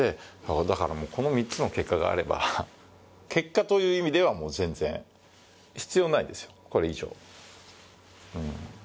だからもう、この３つの結果があれば結果という意味ではもう全然必要ないです、これ以上は。